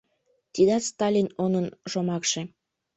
Тидат Сталин онын шомакше.